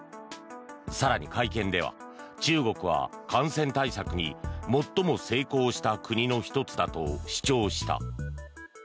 更に会見では、中国は感染対策に最も成功した国の１つだと主張した。